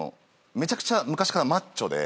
めちゃくちゃ昔からマッチョで。